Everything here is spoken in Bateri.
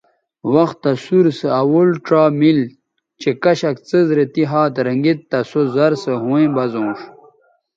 وختہ سور سو اول ڇا مِل چہء کشک څیز رے تی ھات رھنگید تہ سو زر سو ھویں بزونݜ